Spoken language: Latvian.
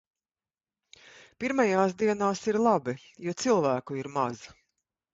Pirmajās dienās ir labi, jo cilvēku ir maz.